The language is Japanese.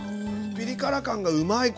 ピリ辛感がうまいこれ。